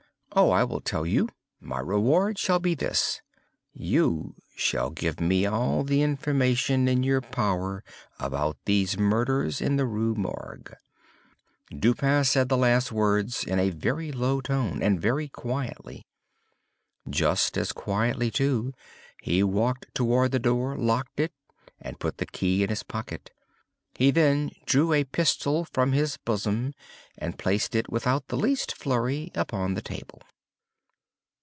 Oh! I will tell you. My reward shall be this. You shall give me all the information in your power about these murders in the Rue Morgue." Dupin said the last words in a very low tone, and very quietly. Just as quietly, too, he walked toward the door, locked it and put the key in his pocket. He then drew a pistol from his bosom and placed it, without the least flurry, upon the table.